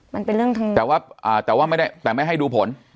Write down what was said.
มันเป็นเรื่องทองแต่ว่าอ่าแต่ว่าแต่ว่าไม่ได้แต่ไม่ให้ดูผล